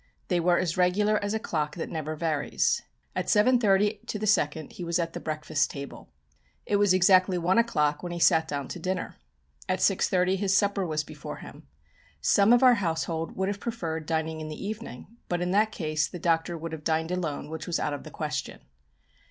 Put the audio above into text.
They were as regular as a clock that never varies. At 7.30 to the second he was at the breakfast table. It was exactly one o'clock when he sat down to dinner. At 6.30 his supper was before him. Some of our household would have preferred dining in the evening, but in that case the Doctor would have dined alone, which was out of the question.